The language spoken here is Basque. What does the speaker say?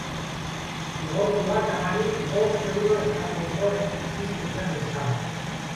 Zigortuak amari bost euro eskatu ondoren piztu zen liskarra.